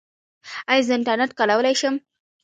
ایا زه انټرنیټ کارولی شم؟